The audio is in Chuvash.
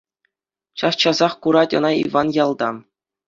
Час-часах курать ӑна Иван ялта.